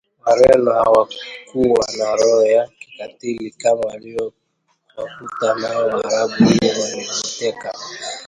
Wareno hawakuwa na roho ya kikatili kama waliyo wakuta nayo waarabu hivyo waliuteka